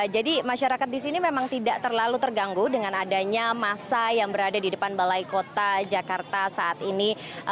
jadi masyarakat di sini memang tidak terlalu terganggu dengan adanya massa yang berada di depan balai kota jakarta saat ini